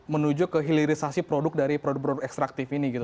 menuju ke hilirisasi produk dari produk produk ekstraktif ini gitu